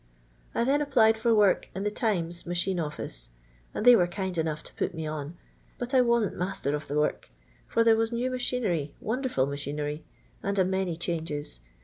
" I then applied for work in the Timet machine office, and they were kind enough to put me on. But I wasn't master of the work, for there was new machinery, wonderful machinery, and a many changes.